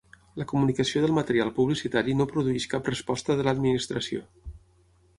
La comunicació del material publicitari no produeix cap resposta de l'Administració.